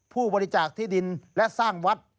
ผู้บริจาคที่ดินและสร้างวัด